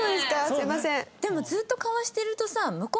すいません。